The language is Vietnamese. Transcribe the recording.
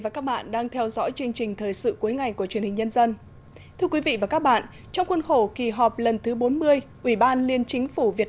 các bạn hãy đăng ký kênh để ủng hộ kênh của chúng mình nhé